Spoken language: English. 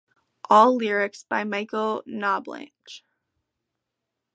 All lyrics by Michael Knoblich.